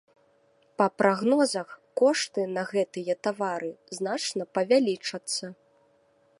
Па прагнозах, кошты на гэтыя тавары значна павялічацца.